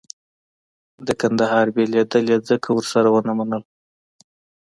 کندهار بېلېدل یې ځکه ورسره ونه منل.